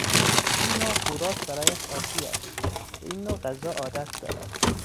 این نوع خوراک برایش عادی است، به این نوع غذا عادت دارد.